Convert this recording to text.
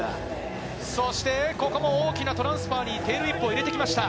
そしてここも大きなトランスファーにテールウィップを入れてきました。